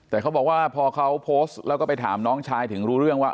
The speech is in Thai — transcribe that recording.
แต่เขาบอกว่าพอเขาโพสต์แล้วก็ไปถามน้องชายถึงรู้เรื่องว่า